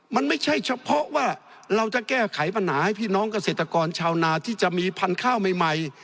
มันไม่ใช่เฉพาะว่าเราจะแก้ไขปัญหาให้พี่น้องเกษตรกรชาวนาที่จะมีพันธุ์ข้าวใหม่